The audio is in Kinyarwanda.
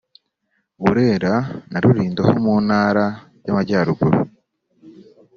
Burera na Rulindo ho mu ntara y’Amajyaruguru